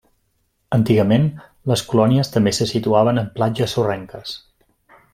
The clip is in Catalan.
Antigament, les colònies també se situaven en platges sorrenques.